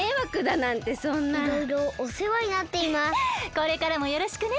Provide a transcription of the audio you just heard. これからもよろしくね。